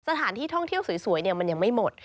สถานที่ท่องเที่ยวสวยมันยังไม่หมด